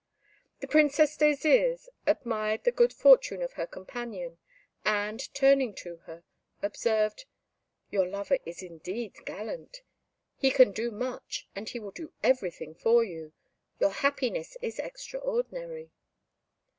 The Princess Désirs admired the good fortune of her companion, and, turning to her, observed, "Your lover is indeed gallant; he can do much, and he will do everything for you; your happiness is extraordinary."